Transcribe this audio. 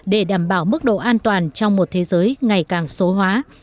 để đảm bảo mức độ an toàn trong một thế giới ngày càng số hóa